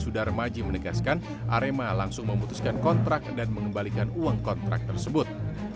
sudar maji menegaskan arema langsung memutuskan kontrak dan mengembalikan uang kontrak tersebut